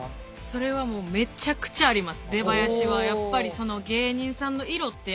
それはもうめちゃくちゃあります出囃子は。